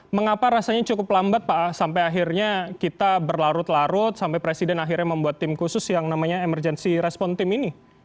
mengapa rasanya cukup lambat pak sampai akhirnya kita berlarut larut sampai presiden akhirnya membuat tim khusus yang namanya emergency response team ini